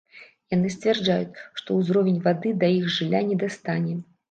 Яны сцвярджаюць, што ўзровень вады да іх жылля не дастане.